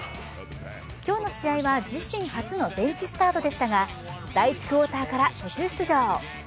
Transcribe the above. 今日の試合は自身初のベンチスタートでしたが第１クオーターから途中出場。